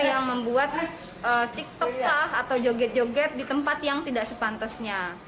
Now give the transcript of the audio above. yang membuat ciktok kah atau joget joget di tempat yang tidak sepantasnya